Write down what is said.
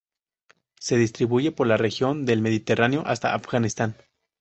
Se distribuye por la región del Mediterráneo hasta Afganistán.